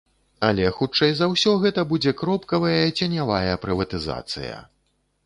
Але, хутчэй за ўсё, гэта будзе кропкавая, ценявая прыватызацыя.